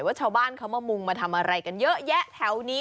ว่าชาวบ้านเขามามุงมาทำอะไรกันเยอะแยะแถวนี้